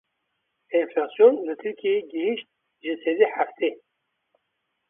Enflasyon li Tirkiyeyê gihişt ji sedî heftê.